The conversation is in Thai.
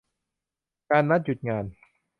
การนัดหยุดงาน